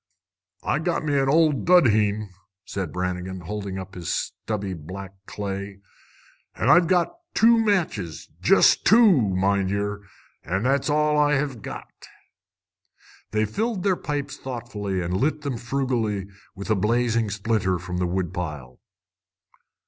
"I've got me old dudheen," said Brannigan, holding up his stubby black clay. "An' I've got two matches, jest two, mind yer! An' that's all I hev got." They filled their pipes thoughtfully and lit them frugally with a blazing splinter from the wood pile.